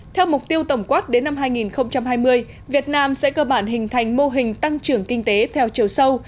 theo mục tiêu tổng quát đến năm hai nghìn hai mươi việt nam sẽ cơ bản hình thành mô hình tăng trưởng kinh tế theo chiều sâu